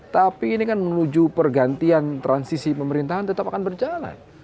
tapi ini kan menuju pergantian transisi pemerintahan tetap akan berjalan